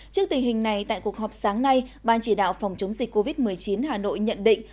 trước tình hình này tại cuộc họp sáng nay ban chỉ đạo phòng chống dịch covid một mươi chín hà nội nhận định